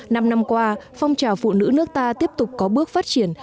năm năm qua phong trào phụ nữ nước ta tiếp tục có bước phát triển